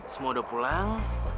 semua udah pulang